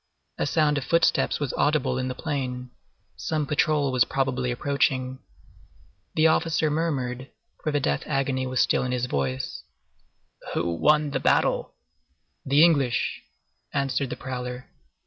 A sound of footsteps was audible in the plain; some patrol was probably approaching. The officer murmured, for the death agony was still in his voice:— "Who won the battle?" "The English," answered the prowler.